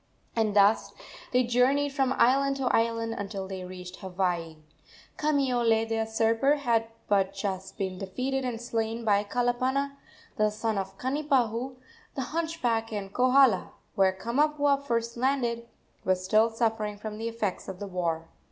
And thus they journeyed from island to island until they reached Hawaii. Kamiole, the usurper, had but just been defeated and slain by Kalapana, the son of Kanipahu, the hunchback, and Kohala, where Kamapuaa first landed, was still suffering from the effects of the war.